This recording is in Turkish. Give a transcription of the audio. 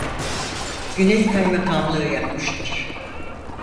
Güney kaymakamlığı yapmıştır.